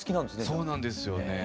そうなんですよね。